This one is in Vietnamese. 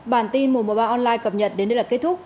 bản tin mùa một mươi ba online cập nhật đến đây là kết thúc